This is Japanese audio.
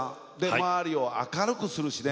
周りを明るくするしね。